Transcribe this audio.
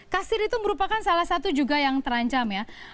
kasir itu merupakan salah satu juga yang terancam ya